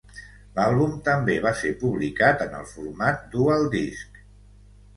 L'àlbum també va ser publicat en el format DualDisc.